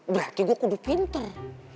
berarti gue kudu pinter